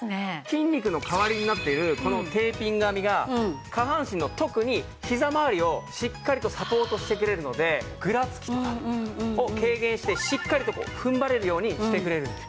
筋肉の代わりになっているこのテーピング編みが下半身の特にひざまわりをしっかりとサポートしてくれるのでぐらつきとかを軽減してしっかりと踏ん張れるようにしてくれるんです。